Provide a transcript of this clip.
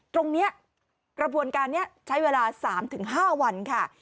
กระบวนการนี้ใช้เวลา๓๕วันค่ะ